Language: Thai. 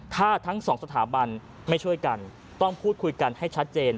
ถ้าทั้งสองสถาบันไม่ช่วยกันต้องพูดคุยกันให้ชัดเจน